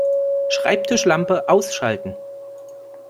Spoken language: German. Schreibtischlampe ausschalten